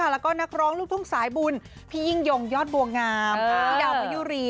แล้วก็นักร้องลูกทุ่งสายบุญพี่ยิ่งยงยอดบัวงามพี่ดาวพยุรี